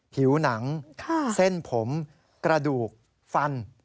ผิวหนังเส้นผมกระดูกฟัน